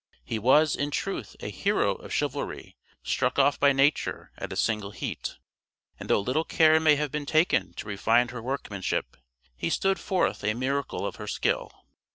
He was, in truth, a hero of chivalry struck off by Nature at a single heat, and though little care may have been taken to refine her workmanship, he stood forth a miracle of her skill.